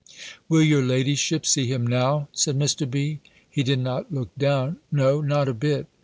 "Will your ladyship see him now?" said Mr. B. He did not look down; no, not one bit!